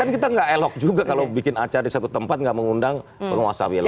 kan kita nggak elok juga kalau bikin acara di satu tempat nggak mengundang penguasa wilayah